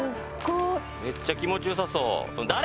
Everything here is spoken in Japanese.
めっちゃ気持ちよさそう誰！